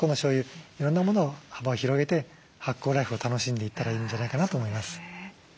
いろんなものを幅を広げて発酵ライフを楽しんでいったらいいんじゃないかなと思います。